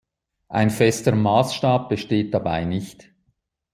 Ein fester Maßstab besteht dabei nicht.